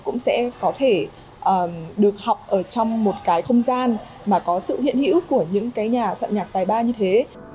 cũng sẽ có thể được học ở trong một cái không gian mà có sự hiện hữu của những cái nhà soạn nhạc tài ba như thế